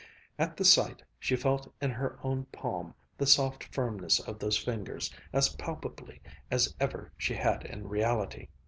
At the sight, she felt in her own palm the soft firmness of those fingers as palpably as ever she had in reality.